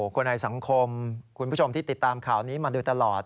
คนในสังคมคุณผู้ชมที่ติดตามข่าวนี้มาโดยตลอด